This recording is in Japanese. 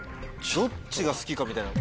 どっちが好きかみたいな。